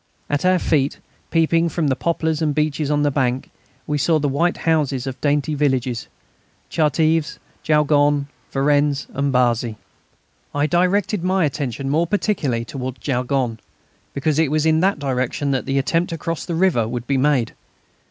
At our feet, peeping from the poplars and beeches on the bank, we saw the white houses of dainty villages Chartèves, Jaulgonne, Varennes, and Barzy. I directed my attention more particularly towards Jaulgonne, because it was in that direction that the attempt to cross the river would be made.